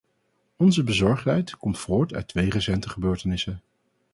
Onze bezorgdheid komt voort uit twee recente gebeurtenissen.